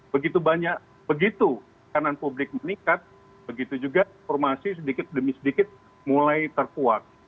begitu banyak begitu tekanan publik meningkat begitu juga informasi sedikit demi sedikit mulai terkuat